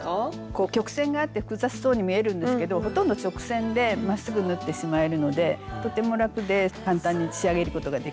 こう曲線があって複雑そうに見えるんですけどほとんど直線でまっすぐ縫ってしまえるのでとても楽で簡単に仕上げることができました。